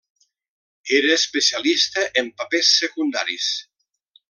Era especialista en papers secundaris.